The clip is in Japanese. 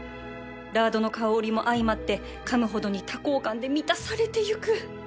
ラードの香りも相まってかむほどに多幸感で満たされてゆく